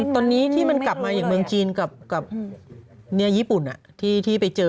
ตอนนี้ที่มันกลับมาอย่างเมืองจีนกับญี่ปุ่นที่ไปเจอ